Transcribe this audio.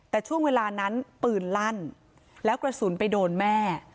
แต่ช่วงเวลานั้นปืนลั่นแล้วกระสุนไปโดนแม่